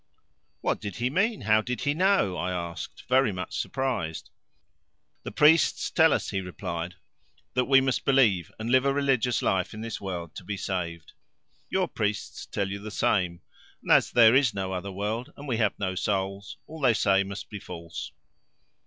"What did he mean how did he know?" I asked, very much surprised. "The priests tell us," he replied, "that we must believe and live a religious life in this world to be saved. Your priests tell you the same, and as there is no other world and we have no souls, all they say must be false.